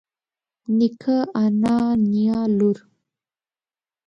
نيکه انا نيا لور